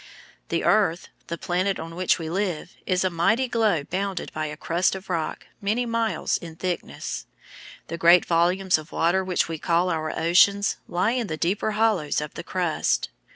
The Earth, the planet on which we live, is a mighty globe bounded by a crust of rock many miles in thickness; the great volumes of water which we call our oceans lie in the deeper hollows of the crust.